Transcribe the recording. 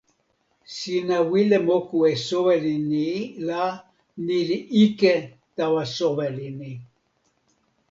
sina wile moku e soweli ni la ni li ike tawa soweli ni.